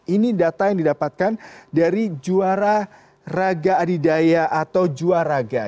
ini data yang didapatkan dari juara raga adidaya atau juaraga